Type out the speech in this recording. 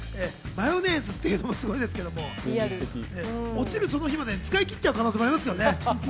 一方、奈緒さんのマヨネーズっていうのもすごいですけれども、落ちるその日までに使いきっちゃう可能性もありますからね。